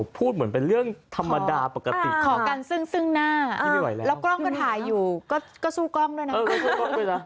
พูดเหมือนเป็นเรื่องธรรมดาปกติขอกันซึ่งซึ่งหน้าแล้วกล้องก็ถ่ายอยู่ก็สู้กล้องด้วยนะ